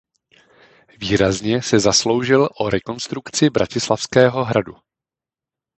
Výrazně se zasloužil o rekonstrukci Bratislavského hradu.